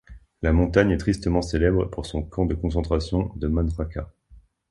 La montagne est tristement célèbre pour son camp de concentration de Manjača.